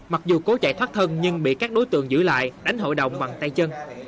mặc dù cố chạy thoát thân nhưng bị các đối tượng giữ lại đánh hội đồng bằng tay chân